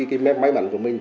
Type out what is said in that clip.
cái may mắn của mình